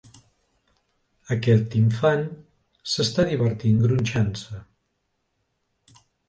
Aquest infant s'està divertint gronxant-se.